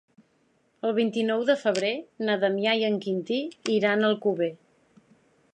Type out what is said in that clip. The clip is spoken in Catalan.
El vint-i-nou de febrer na Damià i en Quintí iran a Alcover.